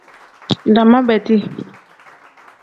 Daama bedi.